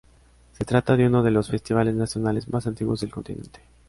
Se trata de uno de los festivales nacionales más antiguos del continente.